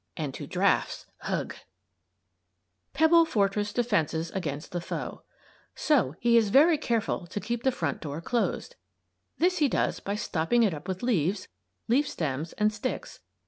And to drafts. Ugh! PEBBLE FORT DEFENSES AGAINST THE FOE So he is very careful to keep the front door closed. This he does by stopping it up with leaves, leaf stems, and sticks.